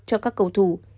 cho các cầu thủ